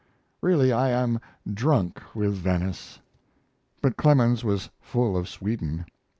Really I am drunk with Venice. But Clemens was full of Sweden.